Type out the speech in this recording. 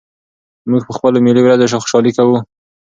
موږ په خپلو ملي ورځو خوشالي کوو.